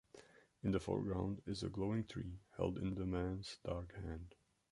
In the foreground is a glowing tree held in the man's dark hand.